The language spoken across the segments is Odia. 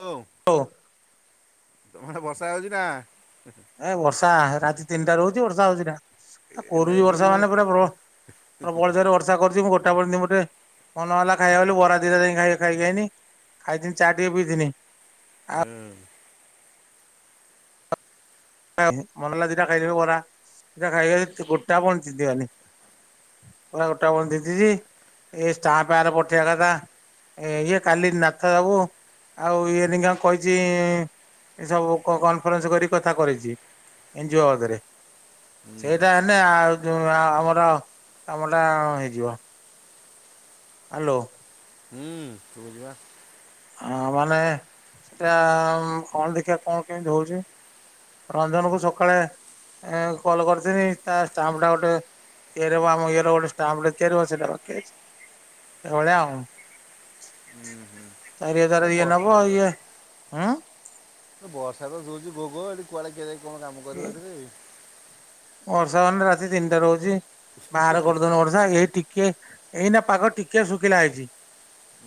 ଓ। ଓ। ତମ ଆଡେ ବର୍ଷା ହୋଉଚି ନା। ଏଁ ବର୍ଷା ରାତି ତିନିଟା ହୋଉଚି ବର୍ଷା ହୋଉଚି ନା। ଆଉ ନା କୋରୁଚି ଏବେ ବି ବର୍ଷା ଯୋଉ ମାନେ ପୁରା ପ୍ରବଳ ପ୍ରବଳଯୋରେ ବର୍ଷା। ଆଛା କରିଛି ମୁଁ ଗୋଟା [unintelligible] ମନ ହେଲା ଖାଇବା ବୋଲି ବରା ଦିଟା ଯାଇକି ଖାଇ ଖାଇକି ଆଇନି। ଖାଇଥିନି ଚା ଟିକେ ପିଇଥିନି। ଏଁ। ଲା ମନହେଲା ଦିଟା ଖାଇଦେଲି ବରା ଦିଟା ଖାଇ ଗୋଟା ବଞ୍ଚିଥିବନି। ଗୋଟାବଣି ତିଞ୍ଚିଚି ଏଇ ଷ୍ଟାପଁଆରେ ପଠେଇବା କଥା ଏଇ କାଲି ନାଥ ବାବୁ ଆଉ ଇଏନିକା କହିଚି। ଏ ସବୁ କନ କନଫରେନ୍ସ କରି କଥା କରେଇଚି ଏନ୍ଜିଓଦରେ। ସେଇଟା ହେନେ ଆଉ ଯୋଉ ଆ ଆମର ଆମଟା ହେଇଯିବ। ହ୍ୟାଲୋ। ହୁଁ। ଶୁବୁଚିପା। ହଁ ମାନେ ସେଟା କଣ ଦେଖିଆ କଣ କେମିତି ହୋଉଚି। ରଞ୍ଜନ କୁ ସକାଳେ ଏ କଲ କରିଥିଲି ତା ଷ୍ଟାମ୍ପ ଟା ଗୋଟେ ଇଏ ରେ ଆମ ଇଏରେ ଗୋଟେ ଷ୍ଟାମ୍ପ ଟେ ତିଆରି ହବ ସେଇଟା ବାକି ଅଛି ଏଇ ଭଳିଆ ଆଉ। ହୁଁ ହୁଁ। ଚାରି ହଜାରେ ଇଏ ନବ ଇଏ ଉଁ। ଏ ବର୍ଷା ତ ଯୋଉଚି ଗୋ ଗୋ ଏଠି କୁଆଡ଼େ କିଏ ଯାଇକି କଣ କାମ କରିବ ଏଇ ଥିରେ। ବର୍ଷା ମାନେ ରାତି ତିନିଟାରୁ ହୋଉଚି ବାହାର କରିଦେଉନ ବର୍ଷା ଏଇ ଟିକେ ଏଇନା ପାଗ ଟିକିଏ ଶୁକିଲା ହେଇଚି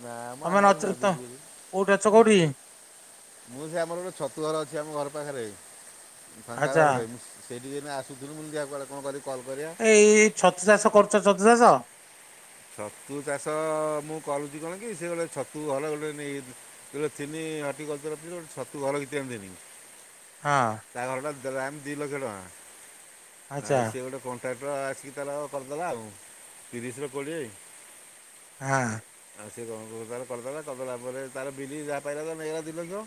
ନା ମ ଆମର ନଥିଲ ତ ନାଦୁଛି ବୋଲି କୋଉଠି ଅଛ କୋଉଠି? ମୁଁ ସେ ଆମର ଗୋଟେ ଛତୁ ଘର ଅଛି ଆମ ଘର ପାଖରେ। ଫାଙ୍କା ଆଚ୍ଛା ଘରଟେ ମୁଁ ସେଇଠି ଜେନେ ଆସୁଥିଲୁ ମୁଁ କହିଲି ଦେଖିଆ କୁଆଡେ କଣ କରି କଲ୍ କରିଆ। ଏଇ ଛତୁ ଚାଷ କରୁଚ ଛତୁ ଚାଷ? ଛତୁ ଚାଷ ମୁଁ କରୁଚି କଣ କି ସେ ଗୋଟେ ଛତୁ ଘର ଗୋଟେ ନେଇଗଲି। [unintelligible] ହଁ। ତା ଘରଟା ଗ୍ରାମ୍ ଦି ଲକ୍ଷ ଟଙ୍କା। ଆଚ୍ଛା ଆଉ ସିଏ ଗୋଟେ କଣ୍ଟ୍ରାକ୍ଟର ଆସିକି ତାର କରିଦେଲା ଆଉ। ତିରିଶ ରୁ କୋଡ଼ିଏ। ହଁ। ଆଉ ସେ କଣ ଘରଦ୍ୱାର କରିଦେଲା। କରିଦେଲା ପରେ ତାର ବିଲିଙ୍ଗ ଯାହା ପାଇଲା ତା ନେଇଗଲା ଦି ଲକ୍ଷ୍ୟ।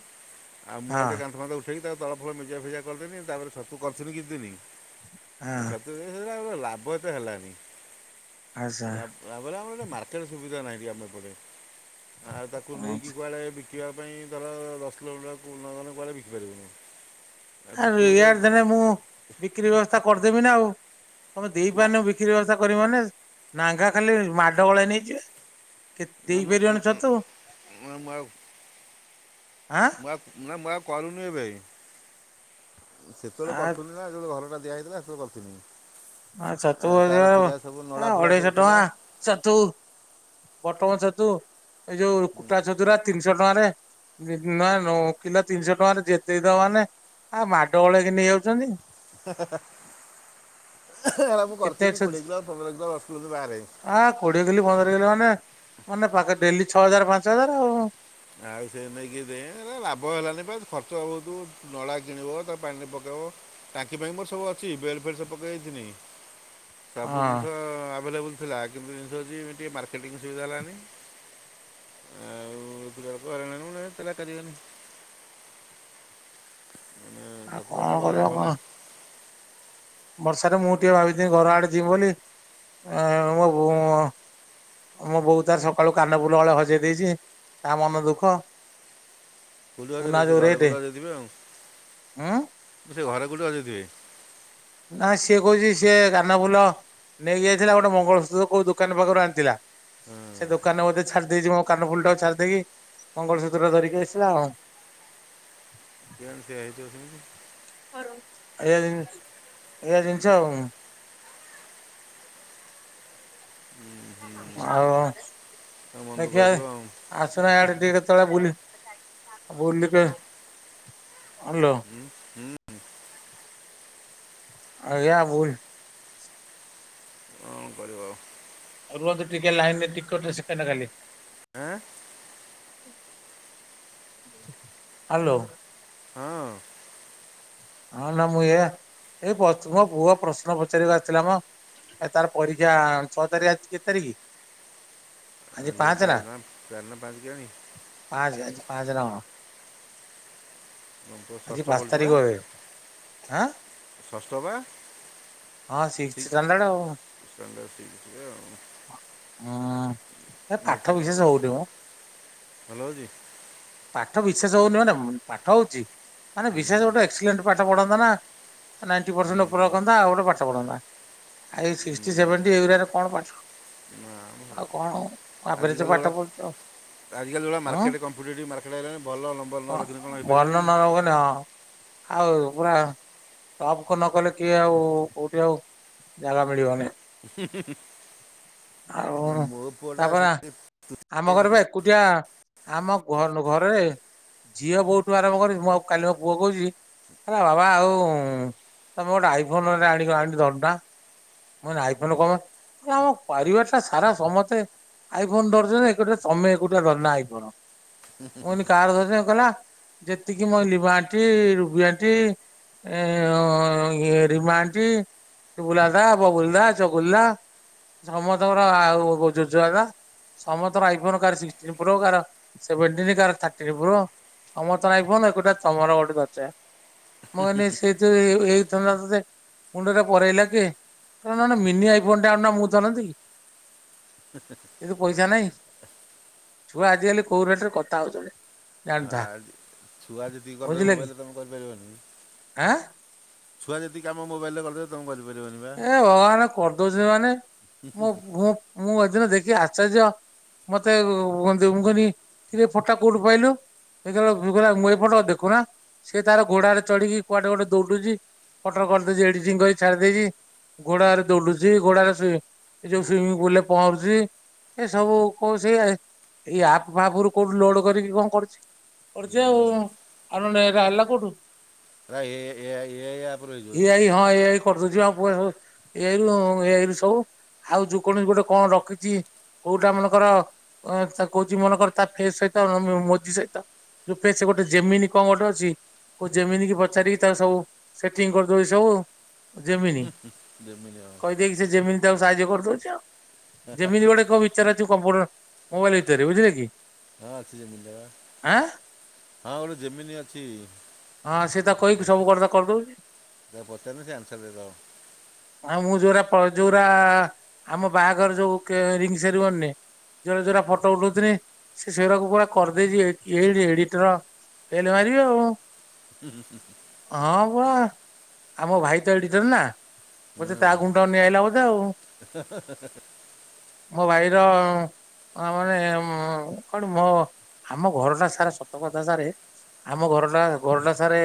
ଆଉ ମୁଁ ଆଉ ହଁ ଟିକେ କାନ୍ଥ ପାନ୍ଥ ଉଠେଇକି ତାକୁ ତଳଫଳ ମେଜିଆ ଫେଜିଆ କରିଦେନି ତାପରେ ଛତୁ କରିଥିଲି କିଛି ଦିନି। ହଁ ଛତୁ ଯେ ସେ ଲାଭ ଏତେ ହେଲାନି। ଆଚ୍ଛା। ତାପରେ ଆମର ଏତେ ମାର୍କେଟ ସୁବିଧା ନାହିଁ ଆମ ଏପଟେ ଆଉ ତାକୁ ନେଇକି କୁଆଡ଼େ ବି ବିକିବା ପାଇଁ ଧର ଦଶ କିଲୋମିଟର କୋଉ ନଗଲେ କୁଆଡ଼େ ବିକିପାରିବୁନୁ। ଆ ଇଆଡ଼େ ଦେନେ ମୁଁ ବିକ୍ରି ବ୍ୟବସ୍ଥା କରିଦେବି ନା ଆଉ। ତମେ ଦେଇ ମା- ପାରୁନ ବିକ୍ରି ବ୍ୟବସ୍ଥା କରିବି ମାନେ। ନାଙ୍ଘା ଖାଲି ମାଡ଼ ଗୋଳ ହେଇ ନେଇଯିବେ। କେ ନା ମୁଁ- ଦେଇପାରିବନି ଛତୁ। ନା ମୁଁ ଆଉ ଆଁ। ମୁଁ ନା ମୁଁ ଆଉ କରୁନି ଏବେ। ସେତେବେଳେ କରୁଥିଲି ନା ଯେତେବେଳେ ଘରଟା ଦିଆ ହେଇଥିଲା ସେତେବେଳେ କରୁଥିଲି। ଆ ତାର ଥିଲା ସବୁ ଆ ନଳା ଫଳା ଅଢେଇଶହ ସବୁ ଥିଲା। ଟଙ୍କା ଛତୁ, ବଟମ ଛତୁ ଏଇ ଯୋଉ କୁଟା ଛତୁରା ତିନିଶ ଟଙ୍କାରେ। ନି ନା କିଲୋ ତିନିଶ ଟଙ୍କାରେ ଯେ ଦେଇଦବ ମାନେ ଆ ମାଡ ଗୋଳ ହେଇକି ନେଇ ଯାଉଛନ୍ତି। ହା ହା ହା ମୁଁ କେତେ କରିଥିଲି କୋଡିଏ କିଲ ପନ୍ଦର କିଲ ଦଶ କିଲ ବାହାରେ। ଆ କୋଡିଏ କିଲ ପନ୍ଦର କିଲୋ ମାନେ। ମାନେ ପାଖେ ଡେଲି ଛଅ ହଜାର ପାଞ୍ଚ ହଜାର ଆଉ। ଆଉ ସେ ନେଇକି ଦେ ଲାଭ ହେଲାନି ବା ଖର୍ଚ୍ଚ ବହୁତ। ନଡ଼ା କିଣିବ ତାକୁ ପାଣିରେ ପକେଇବ। ଟାଙ୍କି ଫାଙ୍କି ମୋର ସବୁ ଅଛି। ବେଡ୍ ଫେଡ୍ ସବୁ ପକେଇ ଦେଇଥିନି। ସବୁ ଜିନିଷ ଆଉ ଆଭେଲେବୁଲ୍ ଥିଲା। କିନ୍ତୁ ଜିନିଷ ହଉଛି ଟିକେ ମାର୍କେଟିଂ ସୁବିଧା ହେଲାନି। ଯୋଗକୁ ହଇରାଣ ସେରା କରିବିନି। ଏ ଛତୁ କଣ ଚାଷ ଭଲ କରିବ ଲାଭ କଣ ନା। ବର୍ଷାରେ ମୁଁ ଟିକେ ଭାବିଥିଲି ଘର ଆଡେ ଯିବି ବୋଲି। ମୋ ବୋଉ ମୁଁ ମୋ ବୋଉ ତାର ସକାଳୁ କାନ ଫୁଲ ହଳେ ହଜେଇ ଦେଇଛି ତା ମନ ଦୁଃଖ। କୋଉଠି ସୁନା ହଜେଇଲେ ସେ ଯୋଉ ଘରେ ରେଟ୍ କୋଉଠି ହଜେଇଥିବେ ଉଁ ଆଉ। ସେ ଘରେ କଉଁଠି ହଜେଇଥିବେ। ନାଁ ସିଏ କହୁଛି ସିଏ କାନ ଫୁଲ ନେଇକି ଯାଇଥିଲା ଗୋଟେ ମଙ୍ଗଳସୂତ୍ର କୋଉ ଦୋକାନୀ ପାଖୁରୁ ଆଣିଥିଲା। ସେ ଦୋକାନରେ ବୋଧେ ଛାଡିଦେଇଚି ମୋ କାନ ଫୁଲଟାକୁ ଛାଡିଦେଇକି ମଙ୍ଗଳସୂତ୍ର ଧରିକି ଆସିଲା ଆଉ। [unintelligible] [unintelligible] ଏଇଆ ଜିନିଷ ଆଉ। ଆଉ ତା ମନକୁ ଦେଖିବା। କହିଥିବ ଆଉ ଆସୁନା ଆଡେ ଟିକେ କେତେବେଳେ ବୁଲି ବୁଲିକି। ହ୍ୟାଲୋ ହୁଁ ହୁଁ ଆଜ୍ଞା ବୁଲ। କଣ କରିବ ଆଉ। ରୁହନ୍ତୁ ଟିକେ ଲାଇନରେ ଟିକଟ ସେକେଣ୍ଡ ଖାଲି। ଆଁ ହ୍ୟାଲୋ। ହଁ ହଁ ନା ମୁଁ ଏଇଆ ଏ ମୋ ପୁଅ ପ୍ରଶ୍ନ ପଚାରିବାକୁ ଆସିଥିଲା ମ। ଏ ତାର ପରୀକ୍ଷା ଛଅ ତାରି ଆଜି କେତ୍ ତାରିକି? ଏ ଚାରି ନା ଚାରି ନା ପାଞ୍ଚ୍ କେଜାଣି ପାଞ୍ଚ୍ ଆଜି ପାଞ୍ଚ୍ ନା କଣ? ଆମ୍ ପୁଅ ଆଜି ଷଷ୍ଠ ପାଞ୍ଚ ପଢ଼ୁଛି ତାରିଖ ବା ହୁଏ ଆଁ ଷଷ୍ଠ ପା। ହଁ ସିକ୍ସ୍ ଷ୍ଟାଣ୍ଡାର୍ଡ୍ ଆଉ। ଷ୍ଟାଣ୍ଡାର୍ଡ୍ ସିକ୍ସରେ ଆଉ। ହୁଁ। ଏ ମୋ ପାଠ ପୁଅ ବିଶେଷ ହଉନି ମ ଭଲ ଅଛି? ପାଠ ବିଶେଷ ହୋଉନି ମାନେ ପାଠ ହୋଉଚି ମାନେ ହୁଁ, ବିଶେଷ ଗୋଟେ ଏକ୍ସିଲେଣ୍ଟ୍ ପାଠ ପଢନ୍ତା ନା ନାଇଣ୍ଟି ହୁଁ, ପର୍ସେଣ୍ଟ୍ ଓପରେ ରଖନ୍ତା ଆଉ ଗୋଟେ ପାଠ ପଢନ୍ତା। ଆ ଏଇ ସିକ୍ଟୀ ସେଭେଣ୍ଟୀ ଏଇଗୁରା ରେ କଣ ପାଠ ନା ମ ଭଲ ଆଉ ଅଛି। କଣ ଆଭରେଜ ଆଜିକାଲି ଯୋଉ ପାଠ ଭଳିଆ ପଢୁଛ ଆଜିକାଲି ଯୋଉ ଭଳିଆ ଉଁ ମାର୍କେଟ କମ୍ପିଟେଟିଭ୍ ମାର୍କେଟ୍ ଆଇଲାଣି ଭଲ ଲ ମନେ ନ ରଖିନେ କଣ ହେଇ ଭଲ ପାରିବ ନ କି। ରଖନି ହଁ ଆଉ ପୁରା ଟପ୍ କୁ ନ କଲେ କିଏ ଆଉ କୋଉଠି ଆଉ ଜାଗା ମିଳିବନି। ହୁଁ-ହୁ-ହୁ। ଆଉ ପୁଅଟା ତାପରେ ସେମିତି ଆମ ପଢ଼ୁଛି ଘର ବା ଏକୁଟିଆ ଆମ ଘରନୁ ଘରେ ଝିଅ ବୋଉଠୁ ଆରମ୍ଭ କରି ମୁଁ ଆଉ କାଲି ମୋ ପୁଅ କୋହୁଚି ଆରେ ବାବା ଆଉ ତମେ ଗୋଟେ ଆଇଫୋନ୍ ରେ ଆଣିକି ଆଣି ଧରୁନା। ମୁ ନାଇ ଆଈଫୋନ୍ କ ମାଇ ଆମ ପରିବାର ଟା ସାରା ସମତେ ଆଇ ଫୋନ ଧରୁଛନ୍ତି ଏକୁଟିଆ ତମେ ଏକୁଟିଆ ଧରୁନ ଆଇଫୋନ, ମୁ କଇନି କାହାର ଧରିତ କଇଲା ଯେତିକି ମୋ ଲିିବା ଆଣ୍ଟି ରୁବି ଆଣ୍ଟି ଏ ରିମା ଆଣ୍ଟି ଟୁବୁଲା ବଗୁଲ୍ଦା ଚଗୁଲ୍ଦା ସମତଙ୍କର ଆଉ ଜୋଜୁଆଗା ସମତଅର ଆଇଫୋନ୍ କାହାର ସିକ୍ଟିନ ପ୍ରୋ କାହାର ସେଭେଣ୍ଟିନ୍ କାହାର ଥାର୍ଟିନ୍ ପ୍ରୋ। ସମସ୍ତଙ୍କର ଆଇଫୋନ୍ ଏକୁଟିଆ ତମର ଗୋଟେ ଧରିଚେ ମୁକଇନି ସେ ଯୋ ଏଇ ଧନ୍ଦା ତତେ ମୁଣ୍ଡରେ ପରେଇଲା କିଏ? ତମେ ନନେ ମିନି ଆଇଫୋନ୍ ଟେ ଆଣୁନ ମୁଁ ଧରନ୍ତି କି। ହେ ହେ ହେ। କିନ୍ତୁ ପଇସା ନାହିଁ ଛୁଆ ଆଜିକାଲି କୋଉ ରେଟ୍ ରେ କଥା ହେଉଛନ୍ତି ଜାଣିଥା। ଆଜି ଛୁଆ ଯେତିକି କରିଦେବେ ବୁଝିଲେ କି ମୋବାଇଲ୍ ରେ ତମେ କରିପାରିବନେହିଁ। ଆଁ? ଛଆ ଯେତିକି କାମ ମୋବାଇଲ୍ ରେ କରିଦବେ ତମେ କରିପାରିବନି ପା। ଏ ଭଗବାନ୍ କରିଦଉଛନ୍ତି ମାନେ ମୋଁ ମୁଁ ମୁଁ ହେଦିନ ଦେଖିକି ଆଶ୍ଚର୍ଯ୍ୟ। ମତେ ମୁଁ କଇନି କିରେ ଏଇ ଫଟୋ ଟା କୋଉଠୁ ପାଇଲୁ? ଦେଖିଲା ବେଳକୁ ମୁଁ ଏଇ ଫଟ ଦେଖୁ ନା ସିଏ ତାର ଘୋଡାରେ ଚଢିକି କୁଆଡେ ଗୋଟେ ଦୌଡୁଚି ଫଟୋ ର କରିଦେଇଚି ଏଡିିଟିଙ୍ଗ୍ କରି ଛାଡି ଦେଇେଇଚି। ଘୋଡରେ ଦୌଡୁଛି ଘୋଡାରେ ଶୁଇ ଏ ଯୋଉ ସୁଇମିଂ ପୁଲ୍ ରେ ପହଁରୁଚି ଏଇ ସବୁ କୋଉ ସେଇ ଏଇ ଆପ୍ ଫାପ୍ ରୁ କୋଉଠୁ ଲୋଡ କରିକି କଣ କରୁଛି। କରୁଛି ଆଉ ଆ ନହେନେ ଏରା ହେଲା କୋଉଠୁ। ନାଁ ଏଆଇ ଏଆ ଏଆଇ ଆପ୍ ରୁ ହେଇଯିବ ଏ ଆଇ ଏଇନା। ହଁ ଏଆଇ କରିଦେଉଛି, [unintelligible] ଆୁଲୁ ସବୁ ଆଉ ଯୋଉ କଣ ଗୋଟେ କଣ ରଖିଛି କୋଉଟା ମନେକର ତା କହୁଉଛିି ମନକରେ ତା ଫେ ସହିତ ମୋଜିି ସହିତ [unintelligible] ରୁପେ ସେ ଗୋଟେ ଜିମିନି କଣ ଗୋଟେ ଅଛି? କୋଉ ଜିମିନି ପଚାରିକି ତା ସବୁ ସେଟିଂ କରିଦଉଛି ସବୁ ଆଉ। ଯେମି ଜିମିନି ଆପ୍। ଦେଇକି ସେ ଜିମିନି ତାକୁ ସାହାଯ୍ୟ କରିଦଉଛି ଆଉ। ଜିମିନି ଗୋଟେ କମି ଚ [unintelligible] କମ୍ପ୍ୟୁଟର ମୋବାଇଲ ଭିତରେ ବୁଝିଲେ କି? ହଁ ଅସି ଯେ ମିିଲ [unintelligible] ଆଁ ହଁ, ଗୋଟେ ଜିମିନି ଅଛି। ହଁ ସେ ତାକୁ କହିକି ଏଟ ସବୁ କଥା କରିଦଉଛି। ତାକୁ ପଚାରିଲେ ସେ ଆନସର ଦେଇଦେବ। ଆଉ ମୁଁ ଯୋଉଗୁରା, ଯୋଉଗୁରା ଆମ ବାହାଘର ସବୁ କେ ରିଙ୍ଗ ସେରିମନିରେ ଯୋଉଗୁରା, ଯୋଉଗୁରା ଫଟୋ ଉଠଉଥିଲି, ସେ ସେଇଗୁରାକୁ ପୁରା କରିଦେଇଛି, ଏ ଏଡିଟର ଫେଲ ମାରିବେ ଆଉ। ହୁଁ, ହୁଁ [unintelligible] ହଁ, ପରା। ଆମ ଭାଇ ତ ଏଡିଟର ନା, ବୋଧେ ତା ଗୁଣ୍ଡ ନେଇ ଆଇଲା ବୋଧେ ଆଉ। ହ [unintelligible] ମୋ ଭାଇର ଆ ମାନେ କଣ ମୋ ଆମ ଘରଟା ସାରା ସତକଥା ସାରେ ଆମ ଘରଟା, ଘରଟା ସାରେ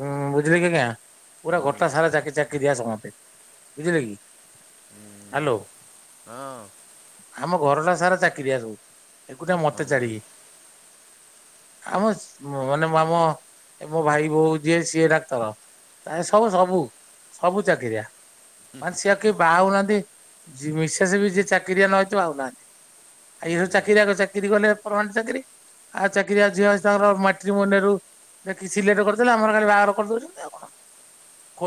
ହୁଁ, ବୁଝିଲି କି ଆଜ୍ଞା। ପୁରା ହୁଁ ଗୋଟା ସାରା ଚାକି ଚାକି ଦିଆ ସମସ୍ତେ ବୁଝିଲେ କି? ହୁଁ ହାଲୋ ହଁ ଆମ ଘରଟା ସାରା ଚାକିରିଆ ସବୁ। ଏକୁଟିଆ ହଁ ମତେ ବା ଛାଡିକି। ଆମ ମାନେ ମୁଁ ଆମ ଭାଇ ବୋହୁ ଯିଏ ସିଏ ଡାକ୍ତର। ପ୍ରାୟ ସବୁ, ସବୁ, ସବୁ ଚାକିରିଆ ମାନେ ସିଏ ଆଉ କେହି ବାହା ହଉନାହାନ୍ତି, ମିଶେସ ବି ଯିଏ ଚାକିରିଆ ନ ହେଇଥିବ ବାହା ହଉନାହାନ୍ତି। ଆଉ ହୁଁ ଇଏ ହୁଁ ସବୁ ଚାକିରିଆ, ଚାକିରି କଲେ ପରମାନେଟ ଚାକିରି ଆଉ ଚାକିରିଆ ଝିଅ ହିସାବର ମାଟ୍ରିମନି ରୁ ଦେଖି ସିଲେଟ କରିଦେଲେ। ଆମର ଖାଲି ବାହାଘର କରିଦଉଛନ୍ତି ଆଉ କଣ।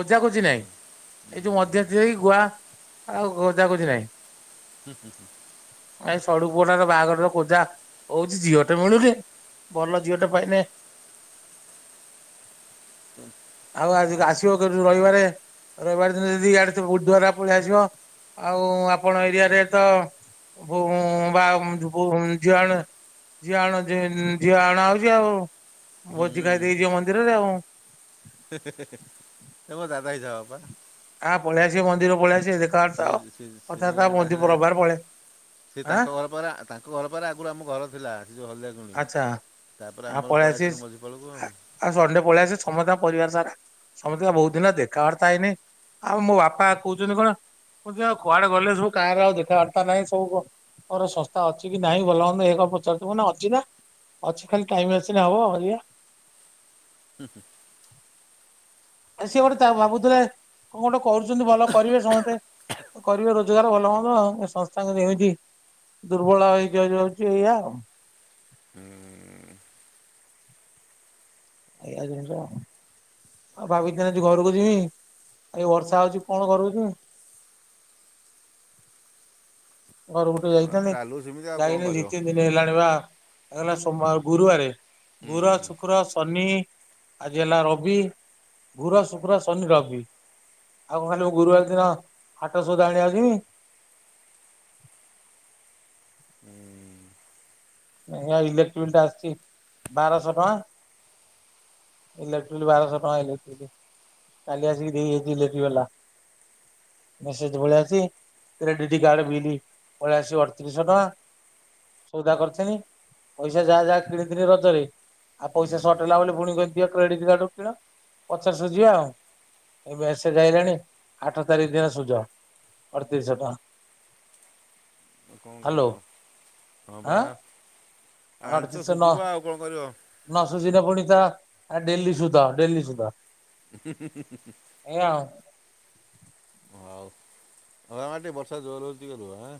ଖୋଜା ଖୋଜି ହୁଁ ନାହିଁ, ଏଇ ଯୋଉ ମଧ୍ୟସ୍ଥି ହେଇ ଗୁଆ, ଆଉ ଖୋଜା ଖୋଜି ନାହିଁ। [unintelligible] ଏଇ ସଡୁ ପୁଅଟାର ବାହାଘର ଖୋଜା ହଉଛି, ଝିଅ ଟେ ମିଳୁନି। ଭଲ ଝିଅଟା ପାଇଲେ ଆଉ, ଆଜି ଆସିବ। [unintelligible] ରଇବାରେ, ରବିବାର ଦିନ ଯଦି ଇଆଡେ ବୁଧୁବାରେ [unintelligible] ପଳେଇ ଆସିବ। ଆଉ, ଆପଣ ଏରିଆରେ ତ [unintelligible] ବା ଝିଅଣେ ଝିଅ ଆଣ ଝିଅ ଆଣ ହଉଛି ଆଉ, ଭୋଜି ହୁଁ ଖାଇ ଦେଇ ଦେଇେଇ ଯିବ ମନ୍ଦିରରେ ଆଉ। ଏବ ଯ ଯାଇ ଯଅ ବା [unintelligible] ଆ ପଳାଇ ଆସିବ ମନ୍ଦିରକୁ, ପଳେଇ ଆସିବ। ଦେଖ ସେ ଗାଁା ସୋ ପଳେଇ ସେ ଆଁ ତାଙ୍କଳ [unintelligible] ତାଙ୍କ ଘର ପରେ ଆଗରୁ ଆମ ଘର ଥିଲା। ସେ ଯୋଉ ହ ହୁଁ, ଆଚ୍ଛା ତାପରେ ଆ ଆମର ପଳେଇ ପଳାଇ ଆସିବେ ଆସିଲୁ ମଝିପାଳକୁ ଆଉ। ଆଉ ସଣ୍ଡେ ପଳେଇଆସ, ସମସ୍ତେ ପରିବାର ସାରା। ସମସ୍ତେ ବହୁତ ଦିନ ହେଲା ଦେଖା ବାର୍ତ୍ତା ହେଇନି, ଆଉ ମୋ ବାପା କହୁଛନ୍ତି କଣ ମ [inaudible] କୁଆଡେ ଗଲେ ସବୁ କାଆର ଆଉ ଦେଖା ବାର୍ତା ନାହିଁ ସବୁ କଁ। ମୋର ଶସ୍ତା ଅଛି କି ନାହିଁ ଭଲମନ୍ଦ ଏ କଁ ପଚାରୁଥିବୁ ନା କଣ। ଚିନା ଅଛି ଖାଲି ଟାଇମ୍ ଆସିଲେ ହବ ଆଜ୍ଞା। [inaudible] ଆ ସିଏ କ'ଣ ଗୋଟେ ତା କରିବା ଭାବୁଥିବେ କଣ ଗୋଟେ କରୁଚନ୍ତି ଭଲ କରିବେ ସମେତେ କରିବେ ରୋଜଗାର ଭଲ ମନ୍ଦ ଏ ସଂସ୍ଥା କିନ୍ତୁ ଏମିତି। ଦୁର୍ବଳ ହେଇକି ଯାଇ ଯାଉଛି ଏୟା ଆଉ। ହୁଁ ଏୟା ଜିନିଷ। ଆଉ ଭାବିଥିନି ଆଜି ଘରକୁ ଯିମି ଆଉ ବର୍ଷା ହଉଚି କଣ ଘରକୁ ଯିମି। ଘରକୁ ଟିକେ ଆଉ ଯାଇଥାନ୍ତି ଚାଲୁ ସେମିତି ଆଉ କ'ଣ ଯାଇନି ଦି କରିବ ତିନି ଦିନି ହେଲାଣି ବା ଗଲା ସୋମବାର ଗୁରୁବାରେ ହୁଁ ଗୁର ଶୁକ୍ର ଶନି ଆଜି ହେଲା ରବି ଗୁର ଶୁକ୍ର ଶନି ରବି ଆଉ କଁ ଖାଲି ଗୁରୁବାର ଦିନ ହାଟ ସଉଦା ଆଣିବାକୁ ଯିମି। ହୁଁ ଏଇନା ଇଲେକ୍ଟ୍ରି ବିଲ୍ ଟା ଆସିଚି ବାରଶହ ଟଙ୍କା ଇଲେକ୍ଟ୍ରି ବିଲ୍ ବାରଶହ ଟଙ୍କା ଇଲେକ୍ଟ୍ରି ବିଲ୍। କାଲି ଆସିକି ଦେଇ ଯାଇଚି ଇଲେକ୍ଟ୍ରି ବାଲା ମେସେଜ୍ ପଳେଇ ଆସିଚି। କ୍ରେଡିଟି କାର୍ଡ ବିଲି ପଳେଇ ଆସିଚ ଅଡତିରିଶହ ଟଙ୍କା ସଉଦା କର [inaudible] ପଇସା ଯାହା ଯାହା କିଣିିଥିନି ରଜରେ ଆଉ ପଇସା ସଟ୍ ହେଲା ବୋଲି ପୁଣିି କହିନି ଦିଅ କ୍ରେଡିଟ୍ କାର୍ଡ଼ରୁ କିଣ ପଛରେ ସୁଜିବା ଆଉ। ଏ ମେସେଜ୍ ଆଇଲାଣି ଆଠ ତାରିଖ ଦିନ ସୁଝ ଅଡତିରିଶହ ଟଙ୍କା। କଁ ହ୍ୟାଲୋ କରିବ ହଁ ବା। ଆଣିଛ ଅଡତିରିଶହ ଟଙ୍କା ସୁଝିବା ଆଉ କଣ କରିବ। ନସୁଝିନେ ପୁଣି ତା ଡେଲି ସୁଦ ଡେଲି ସୁଦ। [inaudible] ଏୟା ଆଉ। ହଉ।